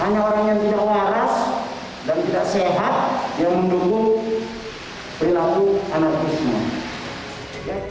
hanya orang yang tidak waras dan tidak sehat yang mendukung perilaku anarkisme